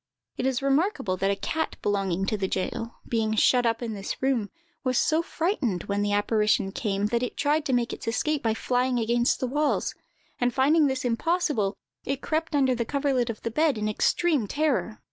It is remarkable that a cat belonging to the jail, being shut up in this room, was so frightened when the apparition came, that it tried to make its escape by flying against the walls; and finding this impossible, it crept under the coverlet of the bed, in extreme terror.